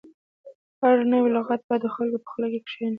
هر نوی لغت باید د خلکو په خوله کې کښیني.